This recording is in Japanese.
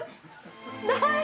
ない。